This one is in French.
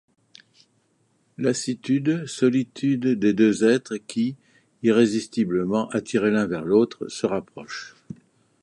Lassitude, solitude des deux êtres qui, irrésistiblement attirés l'un vers l'autre, se rapprochent.